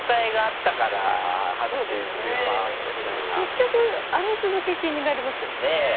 結局あの続き気になりますよね。ねぇ！